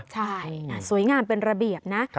ใช่สวยงามเป็นระเบียบนะ